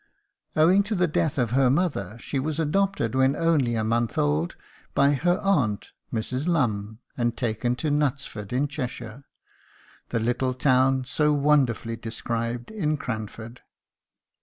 Owing to the death of her mother, she was adopted when only a month old by her aunt, Mrs. Lumb, and taken to Knutsford, in Cheshire, the little town so wonderfully described in "Cranford."